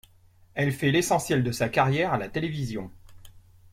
Elle fait l'essentiel de sa carrière à la télévision.